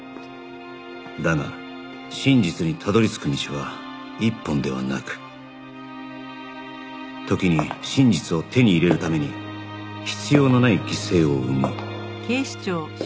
だが真実にたどり着く道は一本ではなく時に真実を手に入れるために必要のない犠牲を生む